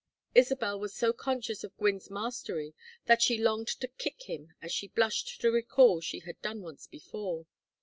Isabel was so conscious of Gwynne's mastery that she longed to kick him as she blushed to recall she had done once before.